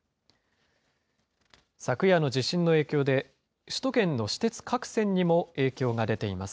昨夜の地震の影響で、首都圏の私鉄各線にも影響が出ています。